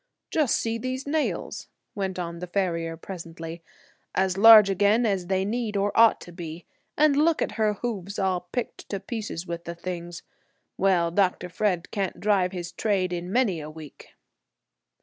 "Just see these nails," went on the farrier, presently, "as large again as they need or ought to be; and look at her hoofs all picked to pieces with the things. Well, Dr. Fred can't drive his 'trade' in many a week."